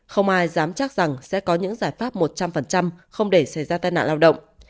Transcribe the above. không ai dám chắc rằng sẽ có những giải pháp một trăm linh không để xảy ra tai nạn lao động